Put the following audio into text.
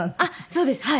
そうですはい。